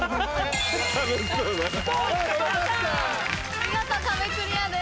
見事壁クリアです。